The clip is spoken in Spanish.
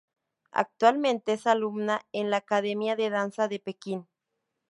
Actualmente es alumna en la Academia de Danza de Pekín.